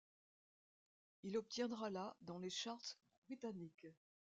Il obtiendra la dans les charts britanniques.